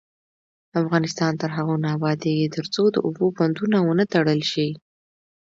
افغانستان تر هغو نه ابادیږي، ترڅو د اوبو بندونه ونه تړل شي.